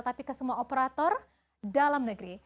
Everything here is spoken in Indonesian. tapi ke semua operator dalam negeri